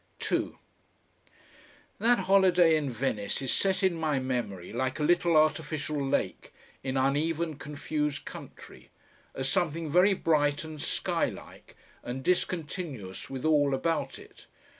2 That holiday in Venice is set in my memory like a little artificial lake in uneven confused country, as something very bright and skylike, and discontinuous with all about it.